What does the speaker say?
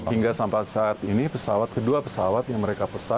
hingga sampai saat ini pesawat kedua pesawat yang mereka pesan